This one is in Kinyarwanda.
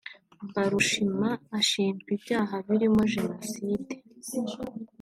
Mbarushima ashinjwa ibyaha birimo Jenoside